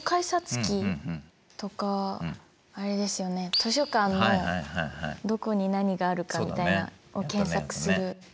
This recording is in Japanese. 図書館のどこに何があるかみたいなを検索する。